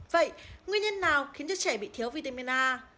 vậy nguyên nhân nào khiến cho trẻ bị thiếu vitamin a